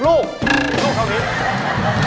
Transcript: ลูกเข้านี้